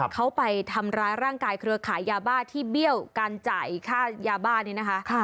เขาไปทำร้ายร่างกายเครือขายยาบ้าที่เบี้ยวการจ่ายค่ายาบ้านี้นะคะ